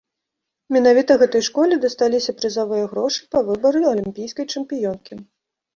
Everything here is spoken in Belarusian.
Менавіта гэтай школе дасталіся прызавыя грошы па выбары алімпійскай чэмпіёнкі.